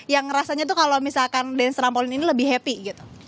yang rasanya tuh kalau misalkan dance trampolin ini lebih happy gitu